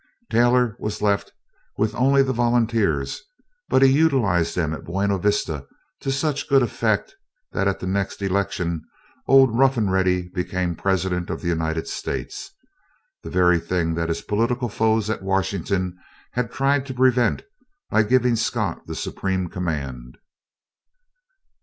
Taylor was left with only the volunteers, but he utilized them at Buena Vista to such good effect that at the next election old "Rough and Ready" became President of the United States the very thing that his political foes at Washington had tried to prevent, by giving Scott the supreme command.